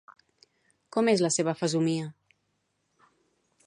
Com és la seva fesomia?